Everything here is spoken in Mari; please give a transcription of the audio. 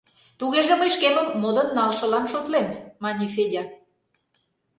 — Тугеже мый шкемым модын налшылан шотлем, — мане Федя.